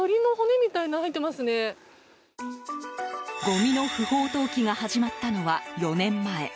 ごみの不法投棄が始まったのは４年前。